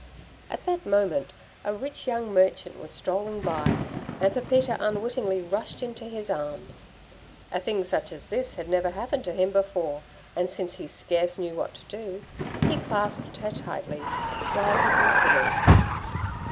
At that moment a rich young merchant was strolling by, and Pepita unwittingly rushed into his arms. A thing such as this had never happened to him before, and since he scarce knew what to do, he clasped her tightly while he considered.